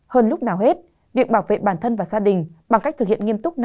hơn lúc nào hết việc bảo vệ bản thân và gia đình bằng cách thực hiện nghiêm túc